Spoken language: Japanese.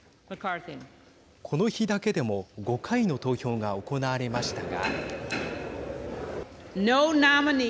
この日だけでも５回の投票が行われましたが。